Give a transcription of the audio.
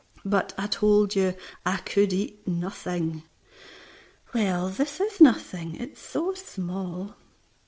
"But I told you I could eat nothing." "Well, this is nothing, it is so small."